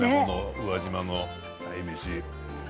宇和島の鯛めし。